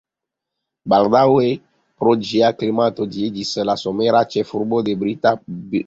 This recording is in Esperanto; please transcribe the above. Baldaŭe pro ĝia klimato ĝi iĝis la somera ĉefurbo de brita Birmo.